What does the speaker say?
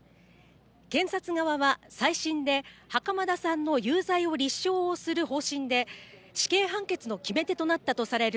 検察側は再審で袴田さんの有罪を立証をする方針で、死刑判決の決め手となったとされる